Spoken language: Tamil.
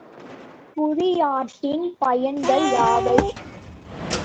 குழியாடியின் பயன்கள் யாவை?